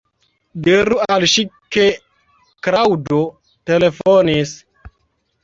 Diru al ŝi ke Klaŭdo telefonis.